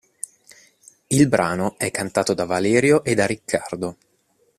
Il brano è cantato da Valerio e da Riccardo.